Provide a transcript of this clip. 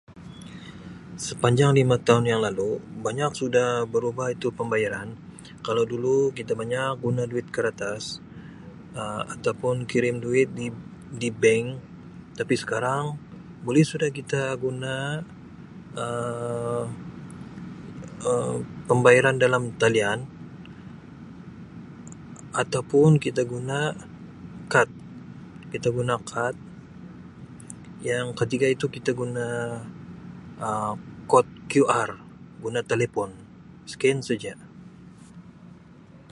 Sepanjang lima tahun yang lalu banyak sudah berubah itu pembayaran kalau dulu kita banyak guna duit karatas, Um ataupun kirim duit di-di bank tapi sekarang buleh sudah kita guna Um pembayaran dalam talian ataupun kita guna kad, kita guna kad, yang ketiga itu kita guna Um kod QR guna telepon, scan seja.